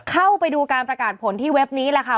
เข้าไปดูการประกาศผลที่เว็บนี้แหละค่ะ